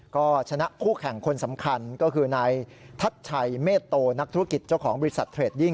ก็ชนะคู่แข่งคนสำคัญก็คือนายทัชชัยเมตโตนักธุรกิจเจ้าของบริษัทเทรดดิ้ง